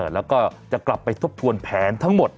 แล้วก็จะกลับไปทบทวนแผนทั้งหมด